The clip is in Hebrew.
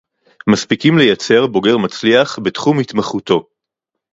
מספיקים לייצר בוגר מצליח בתחום התמחותו